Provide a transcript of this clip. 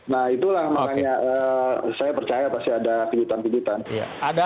nah itulah makanya saya percaya pasti ada pijitan pijitan